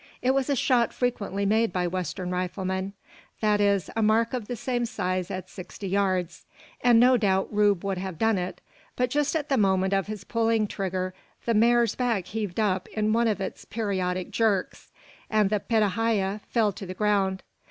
It was a shot frequently made by western riflemen; that is, a mark of the same size at sixty yards. And no doubt Rube would have done it; but just at the moment of his pulling trigger the mare's back heaved up in one of its periodic jerks, and the pitahaya fell to the ground.